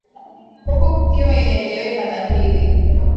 huku kukiwa inaeleweka dhahiri